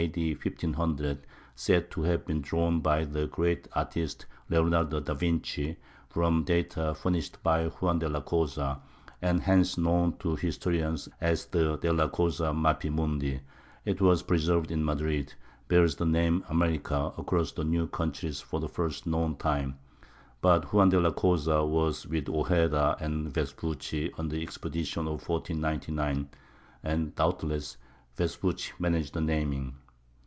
D. 1500, said to have been drawn by the great artist Leonardo da Vinci, from data furnished by Juan de la Cosa, and hence known to historians as the "De la Cosa Mappimundi" (it is preserved in Madrid), bears the name "America" across the new countries for the first known time; but Juan de la Cosa was with Ojeda and Vespucci on the expedition of 1499, and doubtless Vespucci managed the naming.